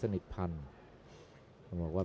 มีความรู้สึกว่า